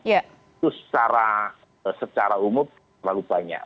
itu secara umum terlalu banyak